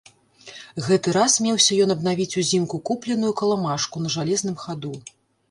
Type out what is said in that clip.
Гэты раз меўся ён абнавіць узімку купленую каламажку на жалезным хаду.